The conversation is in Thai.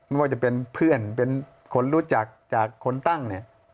ไม่ว่าจะเป็นเพื่อนเป็นคนรู้จักจากคนตั้งเนี่ย